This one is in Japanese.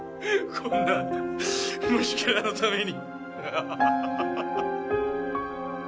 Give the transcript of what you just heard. そんな虫ケラのために。